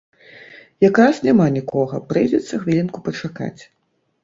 Якраз няма нікога, прыйдзецца хвілінку пачакаць.